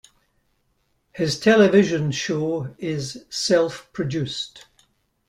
His television show is self-produced.